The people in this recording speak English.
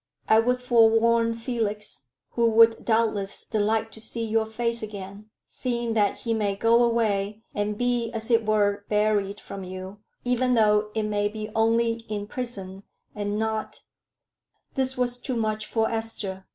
I would forewarn Felix, who would doubtless delight to see your face again; seeing that he may go away, and be, as it were, buried from you, even though it may be only in prison, and not " This was too much for Esther.